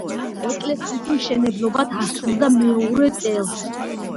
ეკლესიის მშენებლობა დასრულდა მეორე წელს.